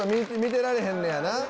見てられへんねやな。